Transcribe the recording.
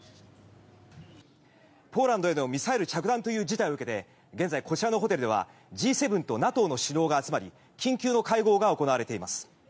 ポーランドへのミサイル着弾という事態を受けて現在、こちらのホテルではＧ７とＮＡＴＯの首脳が集まり緊急の会合が行われています。